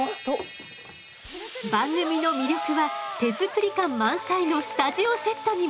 番組の魅力は手作り感満載のスタジオセットにも。